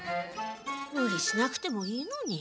ムリしなくてもいいのに。